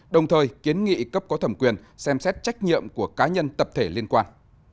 đồng thời kiến nghị cấp có thẩm quyền xem xét trách nhiệm của cá nhân tập thể liên quan